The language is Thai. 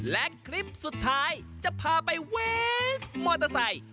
และคลิปสุดท้ายจะพาไปเวสมอเตอร์ไซค์